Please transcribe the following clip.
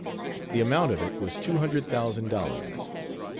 The amount of it was two hundred thousand dollars.